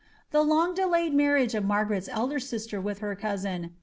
The long de layed marriage of Margaret's elder sister with her cousin.